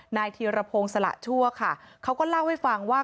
ธีรพงศ์สละชั่วค่ะเขาก็เล่าให้ฟังว่า